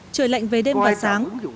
trời lạnh về đêm và sáng